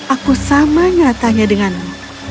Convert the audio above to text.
aku sama nyatanya denganmu